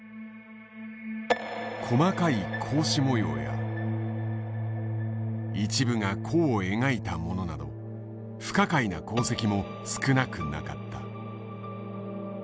細かい格子模様や一部が弧を描いたものなど不可解な航跡も少なくなかった。